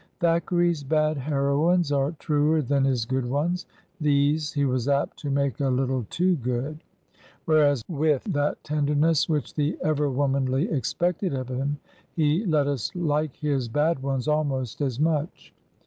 Thackeray's bad heroines are truer than his good ones. These he was apt to make a httle too good; whereas, with that tenderness which the Ever Womanly expected of him, he let us like his bad ones almost as much.